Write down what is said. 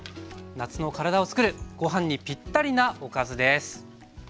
夏の体をつくるご飯にぴったりなおかずです。